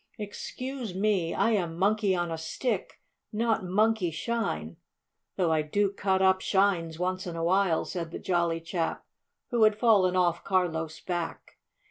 "Excuse me, I am Monkey on a Stick, not Monkey Shine, though I do cut up shines once in a while," said the jolly chap who had fallen off Carlo's back.